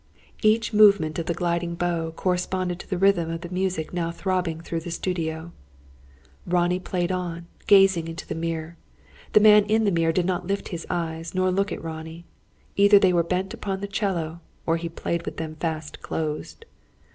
Each movement of the gliding bow, corresponded to the rhythm of the music now throbbing through the studio. Ronnie played on, gazing into the mirror. The man in the mirror did not lift his eyes, nor look at Ronnie. Either they were bent upon the 'cello, or he played with them fast closed.